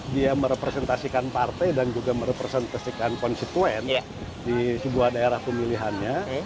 dia merepresentasikan partai dan juga merepresentasikan konstituen di sebuah daerah pemilihannya